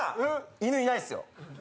犬いないっすよ